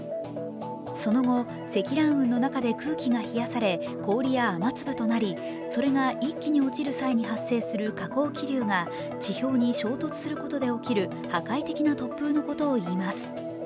その後、積乱雲の中で空気が冷やされ氷や雨粒となりそれが一気に落ちる際に発生する下降気流が地表に衝突することで起きる破壊的な突風のことをいいます。